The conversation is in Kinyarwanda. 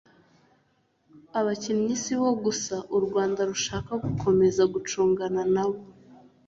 Aba bakinnyi sibo gusa u Rwanda rushaka gukomeza gucungana nabo